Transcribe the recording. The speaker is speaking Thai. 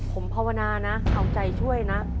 ผมภาวนานะเอาใจช่วยนะ